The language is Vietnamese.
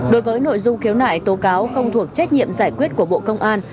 đối với nội dung khiếu nại tố cáo không thuộc trách nhiệm giải quyết của bộ công an